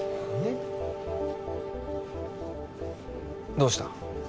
どうした？